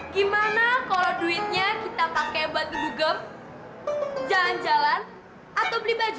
gimana kalau duitnya kita pakai buat google jalan jalan atau beli baju